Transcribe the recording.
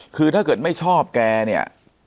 คือถ้าเกิดไม่ชอบแกเนี่ย